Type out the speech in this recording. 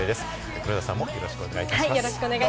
黒田さんも、よろしくお願いいたします。